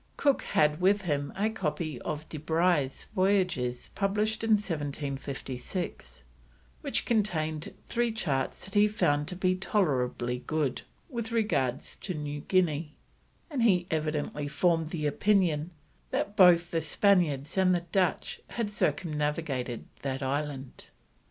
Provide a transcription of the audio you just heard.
Cook had with him a copy of De Brye's Voyages, published in 1756, which contained three charts that he found to be "tolerably good" with regard to New Guinea, and he evidently formed the opinion that both the Spaniards and the Dutch had circumnavigated that island.